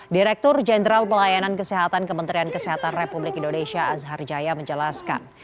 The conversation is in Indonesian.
direktur jenderal pelayanan kesehatan kementerian kesehatan republik indonesia azhar jaya menjelaskan